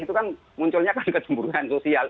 itu kan munculnya kan kecemburuan sosial